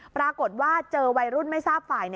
ปรากฏว่าเจอวัยรุ่นไม่ทราบฝ่าย